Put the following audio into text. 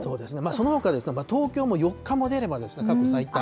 そのほかですと、東京も４日も出れば、過去最多。